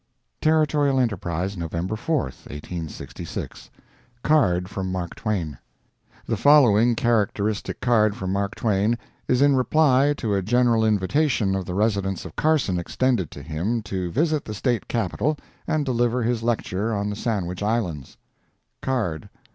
Territorial Enterprise, November 4, 1866 CARD FROM MARK TWAIN. The following characteristic card from Mark Twain is in reply to a general invitation of the residents of Carson extended to him to visit the State Capital and deliver his lecture on the Sandwich Islands: CARD.